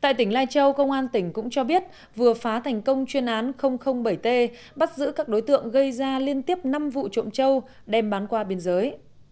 tại tỉnh lai châu công an tỉnh cũng cho biết vừa phá thành công chuyên án bảy t bắt giữ các đối tượng gây ra liên tiếp năm vụ trộm châu đem bán qua biên giới